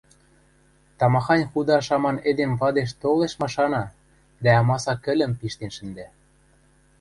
тамахань худа шаман эдем вадеш толеш машана дӓ амаса кӹлым пиштен шӹндӓ.